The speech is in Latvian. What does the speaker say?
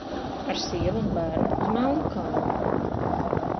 Ar sievu un bērnu uz Melnkalni!